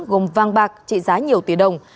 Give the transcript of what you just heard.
gồm vàng bạc trị giá nhiều tỷ đồng